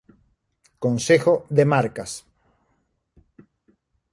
Consejo de Marcas.